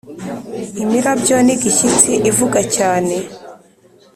imirabyo n’igishyitsi ivuga cyane